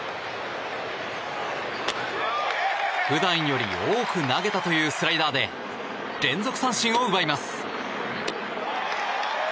普段より多く投げたというスライダーで連続三振を奪います。